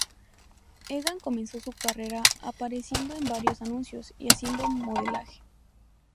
Egan comenzó su carrera apareciendo en varios anuncios y haciendo modelaje.